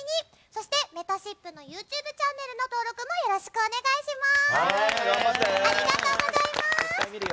そして、めたしっぷＹｏｕＴｕｂｅチャンネルの登録もよろしくお願いします！